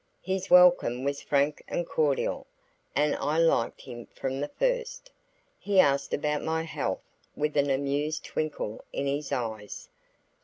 His welcome was frank and cordial and I liked him from the first. He asked after my health with an amused twinkle in his eyes.